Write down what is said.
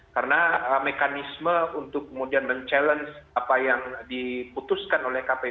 karena mekanisme untuk kemudian mencabar apa yang diputuskan oleh kpu